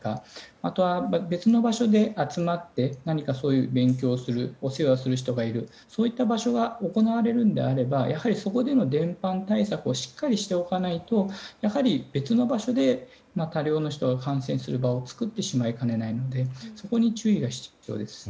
あとは、別の場所で集まって、何か勉強するお世話する人がいるそういった場所が行われるのであればそこでの伝播対策をしっかりしておかないとやはり、別の場所で大量の人が感染する場所を作ってしまいかねないのでそこに注意が必要です。